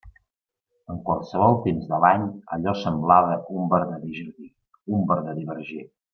En qualsevol temps de l'any allò semblava un verdader jardí, un verdader verger.